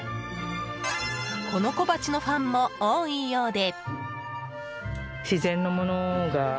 この小鉢のファンも多いようで。